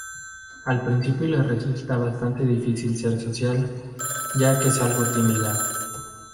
Al principio le resulta bastante difícil ser social, ya que es algo tímida.